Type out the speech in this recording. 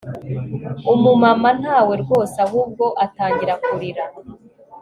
Umumama ntawe rwose ahubwo atangira kurira